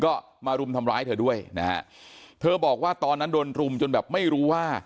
ก็มารุมทำร้ายเธอด้วยนะฮะเธอบอกว่าตอนนั้นโดนรุมจนแบบไม่รู้ว่า